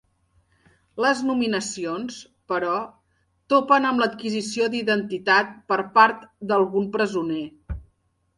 Les nominacions, però, topen amb l'adquisició d'identitat per part d'algun presoner.